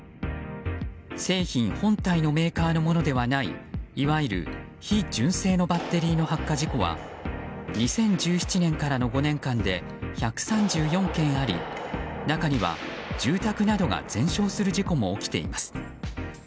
製品本体のメーカーのものではないいわゆる非純正のバッテリーの発火事故は２０１７年からの５年間で１３４件あり中には、住宅などが全焼する事故も起きています。